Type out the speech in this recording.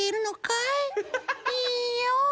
いいよ。